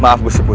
maaf bu subutri